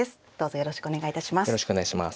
よろしくお願いします。